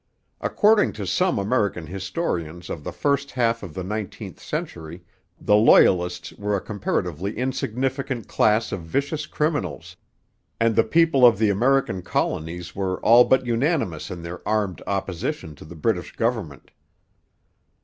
According to some American historians of the first half of the nineteenth century, the Loyalists were a comparatively insignificant class of vicious criminals, and the people of the American colonies were all but unanimous in their armed opposition to the British government.